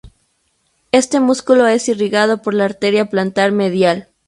Este músculo es irrigado por la arteria plantar medial.